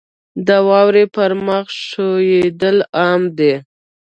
• د واورې پر مخ ښویېدل عام دي.